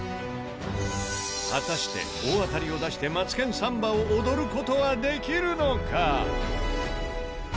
果たして大当たりを出して『マツケンサンバ』を踊る事はできるのか？